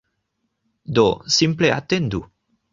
Do, simple atendu